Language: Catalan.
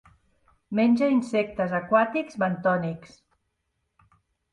Menja insectes aquàtics bentònics.